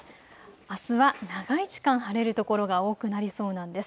あすは長い時間、晴れる所が多くなりそうなんです。